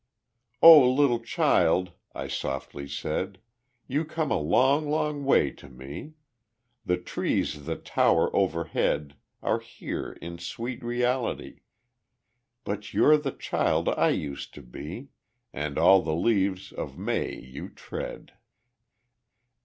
"Oh, little child," I softly said, "You come a long, long way to me; The trees that tower overhead Are here in sweet reality, But you're the child I used to be, And all the leaves of May you tread."